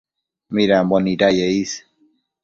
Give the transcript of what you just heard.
midambo nidaye is